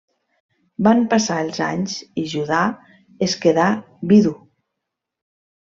Van passar els anys i Judà es quedà vidu.